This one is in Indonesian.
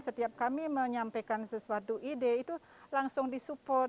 setiap kami menyampaikan sesuatu ide itu langsung disupport